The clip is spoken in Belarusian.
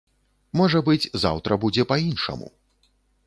Можа быць, заўтра будзе па-іншаму.